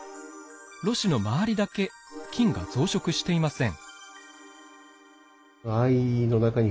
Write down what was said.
ろ紙の周りだけ菌が増殖していません。